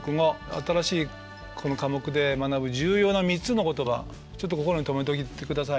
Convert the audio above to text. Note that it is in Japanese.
新しいこの科目で学ぶ重要な３つの言葉ちょっと心に留めておいてくださいね。